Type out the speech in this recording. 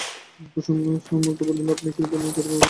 কুসুম স্নানমুখে বলিল, আপনাকে কী বলব ছোটবাবু, আপনি এত বোঝেন।